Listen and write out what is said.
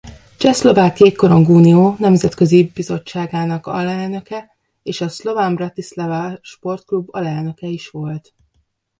Csehszlovák Jégkorong Unió nemzetközi bizottságának alelnöke és a Slovan Bratislava sportklub alelnöke is volt.